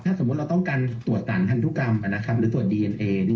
สมมุติเราต้องการตรวจสารพันธุกรรมหรือตรวจดีเอ็นเอ